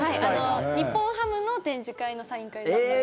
日本ハムの展示会のサイン会だったんです。